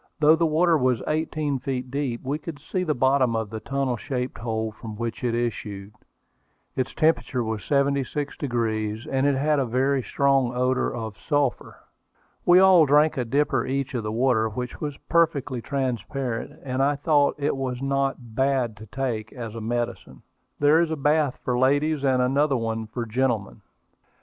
Though the water was eighteen feet deep, we could see to the bottom of the tunnel shaped hole from which it issued. Its temperature was 76°, and it had a very strong odor of sulphur. We all drank a dipper each of the water, which was perfectly transparent, and I thought it was not "bad to take" as a medicine. There is a bath for ladies, and another for gentlemen.